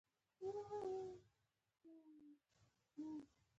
دغه خندا یې د هغو ملايانو په وسيله نوره هم ګړندۍ کړې.